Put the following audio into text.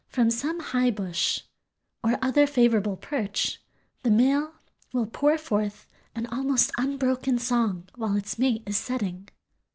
From some high bush or other favorable perch the male will pour forth an almost unbroken song while its mate is setting.